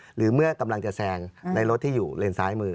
หรือเมื่อกำลังจะแซงในรถที่อยู่เลนซ้ายมือ